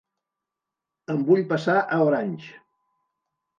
Em vull passar a Orange.